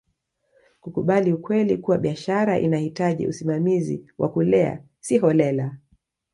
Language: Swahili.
kukubali ukweli kuwa biashara inahitaji usimamizi wa kulea si holela